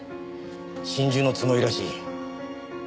心中のつもりらしい。